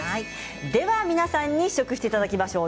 では皆さんに試食していただきましょう。